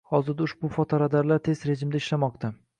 Hozirda ushbu fotoradarlar test rejimida ishlamoqda.